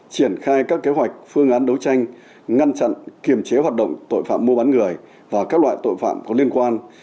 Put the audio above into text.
triển khai các kế hoạch phương án đấu tranh ngăn chặn kiềm chế hoạt động tội phạm mua bán người và các loại tội phạm có liên quan